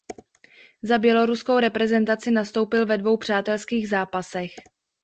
Za běloruskou reprezentaci nastoupil ve dvou přátelských zápasech.